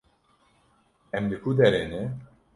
Em li ku derê ne?